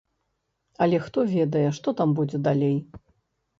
Але хто ведае, што там будзе далей.